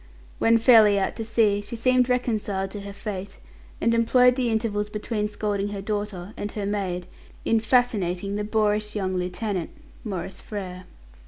When fairly out to sea she seemed reconciled to her fate, and employed the intervals between scolding her daughter and her maid, in fascinating the boorish young Lieutenant, Maurice Frere.